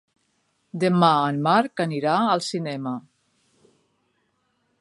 Demà en Marc anirà al cinema.